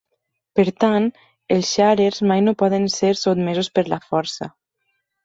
Per tant, els Sharers mai no poden ser sotmesos per la força.